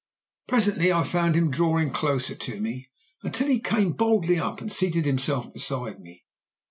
Presently I found him drawing closer to me, until he came boldly up and seated himself beside me.